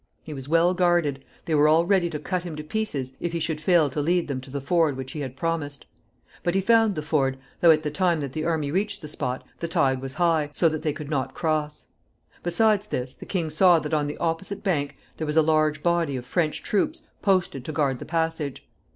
He was well guarded. They were all ready to cut him to pieces if he should fail to lead them to the ford which he had promised. But he found the ford, though at the time that the army reached the spot the tide was high, so that they could not cross. Besides this, the king saw that on the opposite bank there was a large body of French troops posted to guard the passage.